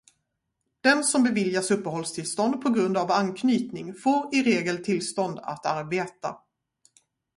Den som beviljas uppehållstillstånd på grund av anknytning får i regel tillstånd att arbeta.